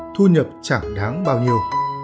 thu nhập chẳng đáng bao nhiêu